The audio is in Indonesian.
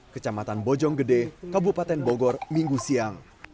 kecamatan bojonggede kabupaten bogor minggu siang